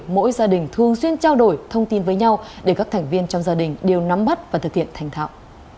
mỗi gia đình thường xuyên trao đổi thông tin với nhau để các thành viên trong gia đình đều nắm bắt và thực hiện thành thạo